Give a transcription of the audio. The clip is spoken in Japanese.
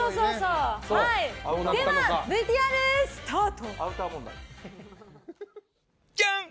では、ＶＴＲスタート。